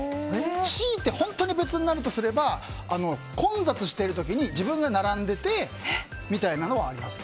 しいて、本当に別になるとすれば混雑している時に自分が並んでてみたいなのはあります。